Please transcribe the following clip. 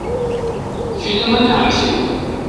Filaman a Ɛemti.